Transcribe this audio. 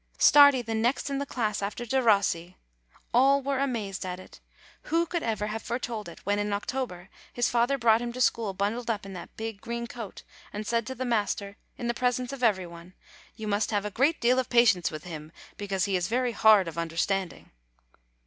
Stardi the next in the class after Derossi! All were amazed at it. Who could ever WILL 8 1 have foretold it, when, in October, his father brought him to school bundled up in that big, green coat, and said to the master, in the presence of every one: "You must have a great deal of patience with him, because he is very hard of understanding!"